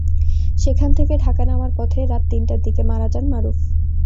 সেখান থেকে ঢাকা নেওয়ার পথে রাত তিনটার দিকে মারা যান মারুফ।